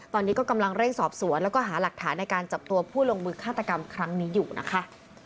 ตอนนี้ก็กำลังเร่งสอบสวนแล้วก็หาหลักฐานในการจับตัวผู้ลงมือฆาตกรรมครั้งนี้อยู่นะคะ